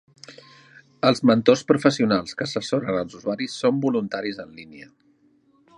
Els mentors professionals que assessoren els usuaris són voluntaris en línia.